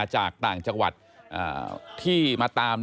ไอ้แม่ได้เอาแม่ได้เอาแม่